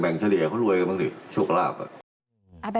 แบ่งเฉลี่ยเขารวยกันบ้างสิโชคราบ